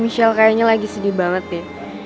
michelle kayaknya lagi sedih banget ya